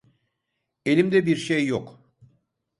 Elimde bir şey yok.